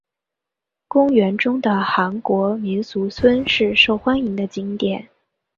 公园中的韩国民俗村是受欢迎的景点。